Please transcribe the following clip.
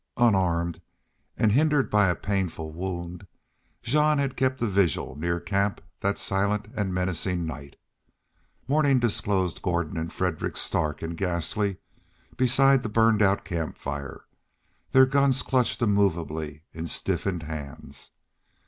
Unarmed, and hindered by a painful wound, Jean had kept a vigil near camp all that silent and menacing night. Morning disclosed Gordon and Fredericks stark and ghastly beside the burned out camp fire, their guns clutched immovably in stiffened hands.